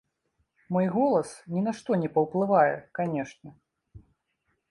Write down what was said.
Мой голас ні на што не паўплывае, канечне.